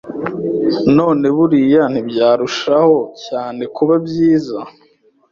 none buriya ntibyarushaho cyane kuba byiza